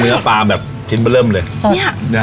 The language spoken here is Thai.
มริขาผาแบบทิ้งไปเริ่มเลยสด